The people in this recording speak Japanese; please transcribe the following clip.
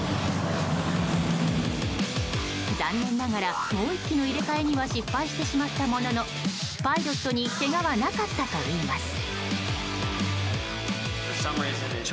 残念ながらもう１機の入れ替えには失敗してしまったもののパイロットにけがはなかったといいます。